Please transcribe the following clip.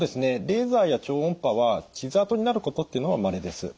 レーザーや超音波は傷あとになることっていうのはまれです。